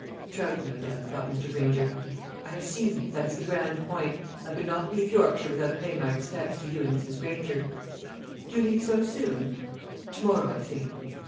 ("Trout, no doubt," thought Mr. Granger.) "I have seen you, that is the grand point. I could not leave Yorkshire without paying my respects to you and Mrs. Granger." "Do you leave so soon?" "To morrow, I think."